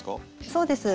そうです